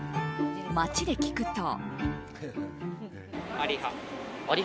街で聞くと。